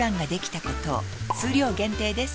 数量限定です